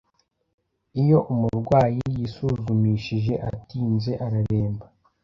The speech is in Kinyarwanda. Iyo umurwayi yisuzumushije atinze araremba